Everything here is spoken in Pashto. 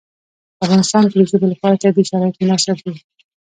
په افغانستان کې د ژبو لپاره طبیعي شرایط مناسب دي.